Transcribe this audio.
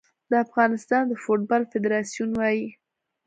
د افغانستان د فوټبال فدراسیون وايي